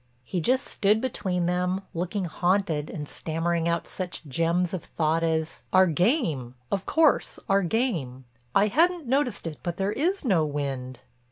He just stood between them, looking haunted and stammering out such gems of thought as, "Our game—of course our game—I hadn't noticed it but there is no wind."